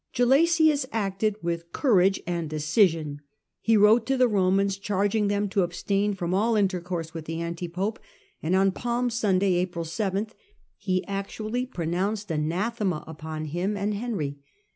Gelasius acted with courage and decision. He wrote to the Romans charging them to abstain from all intercourse with the anti pope, and on Palm Sunday^ April 7, he actually pronounced anathema upon him and Digitized by VjOOQIC ao6 HiLDEBRAND Henry.